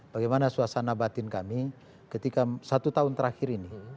bagaimana suasana batin kami ketika satu tahun terakhir ini